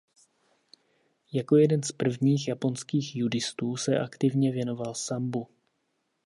Jako jeden z prvních japonských judistů se aktivně věnoval sambu.